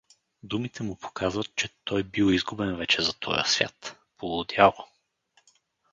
Думите му показват, че той бил изгубен вече за тоя свят: полудял.